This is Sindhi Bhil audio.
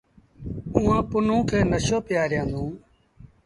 اُئآݩ پنهون کي نشو پيٚآريآندون۔